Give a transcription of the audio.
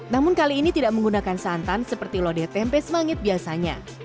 namun kali ini tidak menggunakan santan seperti lodeh tempe semangit biasanya